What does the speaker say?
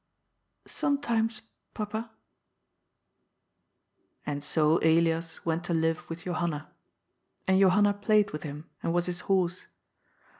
« Sometimes, papa." And so Elias went to live with Johanna. And Johanna played with him, and was his horse.